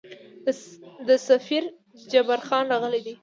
د سفیر جبارخان راغلی دی.